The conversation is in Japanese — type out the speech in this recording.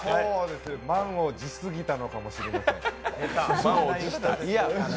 満を持すぎたのかもしれません。